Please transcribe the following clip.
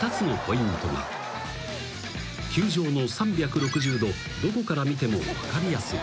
［球場の３６０度どこから見ても分かりやすい］